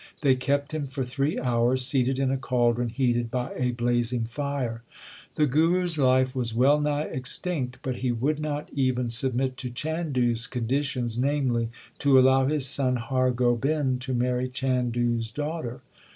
They kept him for three hours seated in a caldron heated by a blazing fire. The Guru s life was well nigh extinct, but he would not even submit to Chandu s conditions, namely, to allow his son Har Gobind to marry Chandu s daughter.